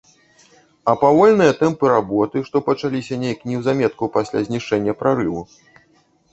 А павольныя тэмпы работы, што пачаліся нейк неўзаметку пасля знішчэння прарыву?